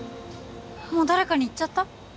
もう誰かに言っちゃった？